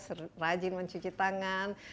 serajin mencuci tangan